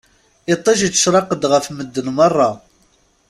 Iṭij ittcerriq-d ɣef medden merra.